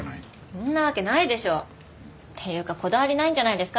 そんなわけないでしょ！っていうかこだわりないんじゃないんですか？